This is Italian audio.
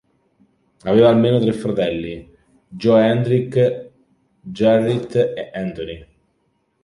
Aveva almeno tre fratelli, Johan Hendrik, Gerrit e Antony.